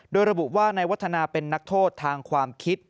โดยระบุว่านายวัฒนาเป็นนักโทษทางความคิด